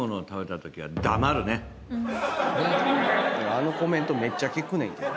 あのコメントめっちゃ聞くねんけど。